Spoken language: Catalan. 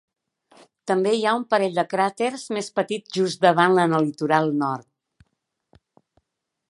També hi ha un parell de cràters més petits just en el litoral nord.